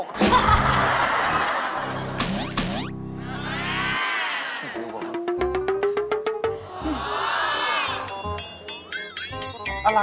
ฮ่าฮ่าฮ่า